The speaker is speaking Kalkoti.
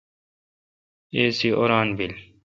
اے سی اوران بیل۔